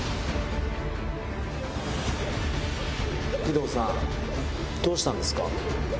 儀藤さんどうしたんですか？